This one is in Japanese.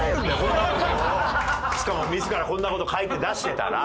しかも自らこんな事書いて出してたら。